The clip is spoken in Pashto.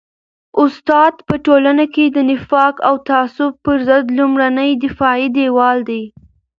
استاد په ټولنه کي د نفاق او تعصب پر ضد لومړنی دفاعي دیوال دی.